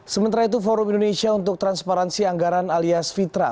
sementara itu forum indonesia untuk transparansi anggaran alias fitra